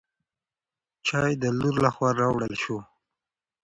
چای د لور له خوا راوړل شو.